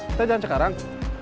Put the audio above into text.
kita jalan sekarang